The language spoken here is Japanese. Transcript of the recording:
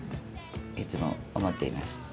いつも思っています。